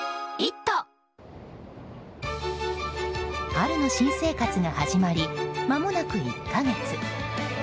春の新生活が始まりまもなく１か月。